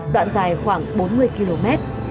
đoạn dài khoảng bốn mươi km